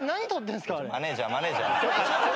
マネージャーマネージャー。